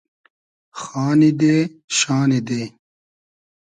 خانی دې شانی دې